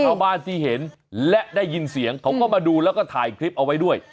ชาวบ้านที่เห็นและได้ยินเสียงเขาก็มาดูแล้วก็ถ่ายคลิปเอาไว้ด้วย